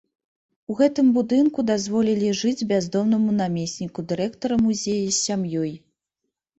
У гэтым будынку дазволілі жыць бяздомнаму намесніку дырэктара музея з сям'ёй.